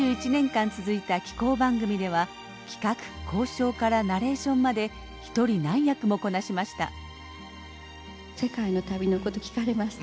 ３１年間続いた紀行番組では企画交渉からナレーションまで一人何役もこなしました。